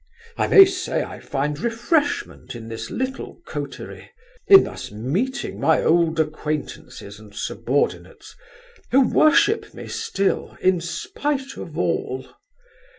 I may say I find refreshment in this little coterie, in thus meeting my old acquaintances and subordinates, who worship me still, in spite of all.